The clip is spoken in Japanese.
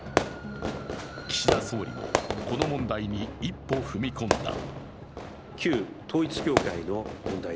岸田総理も、この問題に一歩踏み込んだ。